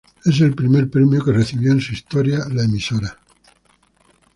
Es el primer premio que recibió en su historia la emisora.